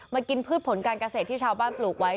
กินพืชผลการเกษตรที่ชาวบ้านปลูกไว้